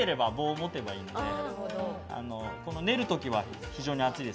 練る時は非常に熱いです。